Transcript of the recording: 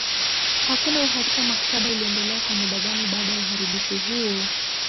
Hakuna uhakika maktaba iliendelea kwa muda gani baada ya uharibifu huo.